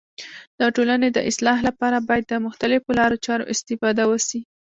د ټولني د اصلاح لپاره باید د مختلیفو لارو چارو استفاده وسي.